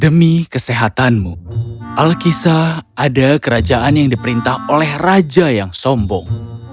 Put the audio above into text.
demi kesehatanmu alkisah ada kerajaan yang diperintah oleh raja yang sombong